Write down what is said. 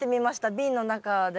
瓶の中で。